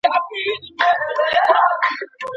ايا د ولور ادا کول واجب عمل دی؟